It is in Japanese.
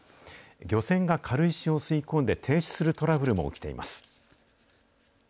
漁船が軽石を吸い込んで停止するトラブルも起きています。